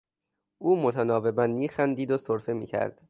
او متناوبا میخندید و سرفه میکرد.